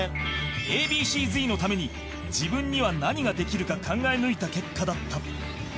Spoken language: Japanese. Ａ．Ｂ．Ｃ−Ｚ のために自分には何ができるか考え抜いた結果だった